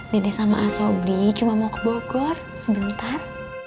dede sama asobri cuma mau ke bogor sebentar